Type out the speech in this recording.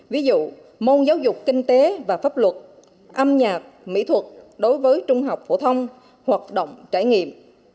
ví dụ môn giáo dục kinh tế và pháp luật âm nhạc mỹ thuật đối với trung học phổ thông hoạt động trải nghiệm